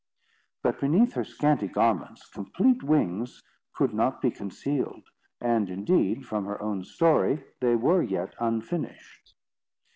But beneath her scanty garments complete wings could not be concealed, and indeed, from her own story, they were yet unfinished.